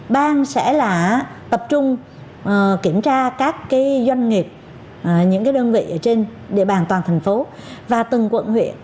ban sẽ là tập trung kiểm tra các cái doanh nghiệp những cái đơn vị ở trên địa bàn toàn thành phố và từng quận huyện